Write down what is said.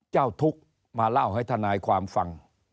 เจ้าทุกข์มาเล่าให้ทนายความฟัง